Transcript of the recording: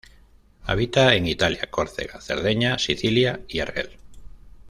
Habita en Italia, Córcega, Cerdeña, Sicilia y Argel.